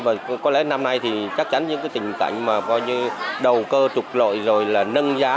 và có lẽ năm nay thì chắc chắn những tình cảnh mà đầu cơ trục lợi rồi là nâng giá